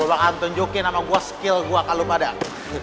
gua bakal tunjukin sama gua skill gua kalau lu madang